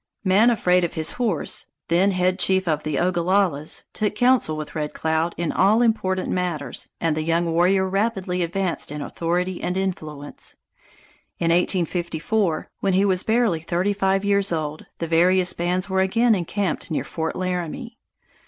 Man Afraid of His Horse, then head chief of the Ogallalas, took council with Red Cloud in all important matters, and the young warrior rapidly advanced in authority and influence. In 1854, when he was barely thirty five years old, the various bands were again encamped near Fort Laramie.